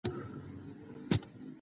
که غوږونه وي نو اوریدل نه پاتیږي.